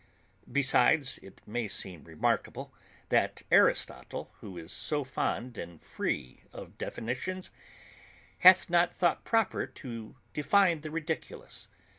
Besides, it may seem remarkable, that Aristotle, who is so fond and free of definitions, hath not thought proper to define the Ridiculous.